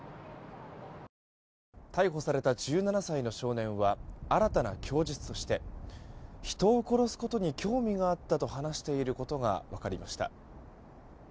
逮捕された１７歳の少年は新たな供述として人を殺すことに興味があったと話していることが分かりました。